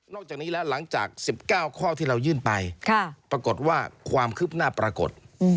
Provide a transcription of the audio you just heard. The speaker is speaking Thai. จากนี้แล้วหลังจาก๑๙ข้อที่เรายื่นไปปรากฏว่าความคืบหน้าปรากฏ